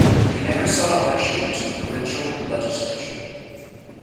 He never sought election to the provincial legislature.